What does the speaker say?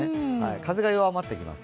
風が弱まってきます。